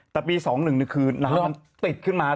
แต่ปี๒๑คือน้ำมันติดขึ้นมา